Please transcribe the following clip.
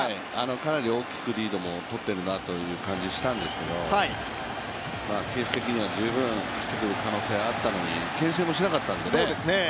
かなり大きくリードもとってるなという感じがしたんですけれども、ケース的には十分走ってくる可能性があったのに牽制もしなかったのでね。